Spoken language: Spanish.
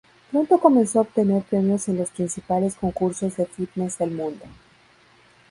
Pronto comenzó a obtener premios en los principales concursos de fitness del mundo.